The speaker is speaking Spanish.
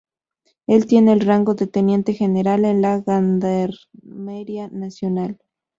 Él tiene el rango de Teniente General en la Gendarmería Nacional.